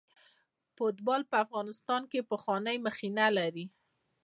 فوټبال په افغانستان کې پخوانۍ مخینه لري.